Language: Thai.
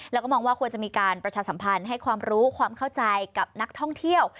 แล้วก็มองว่าควรจะมีการประชาสัมพันธ์ให้ความรู้ความเข้าใจกับนักท่องเที่ยว